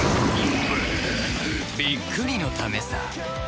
びっくりのためさ。